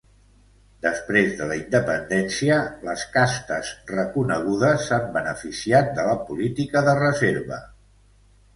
Després de la independència, les Castes Reconegudes s’han beneficiat de la política de reserva.